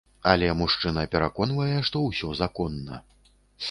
Але мужчына пераконвае, што усё законна.